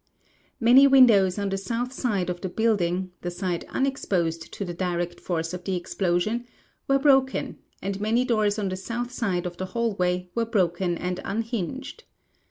Many windows on the * south side of the building, the side unexposed to the direct force of the explosion, were broken and many doors on the south side of the hallway were broken and unhinged.